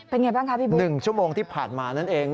เป็นอย่างไรบ้างครับพี่บุ๊ค๑ชั่วโมงที่ผ่านมานั่นเอง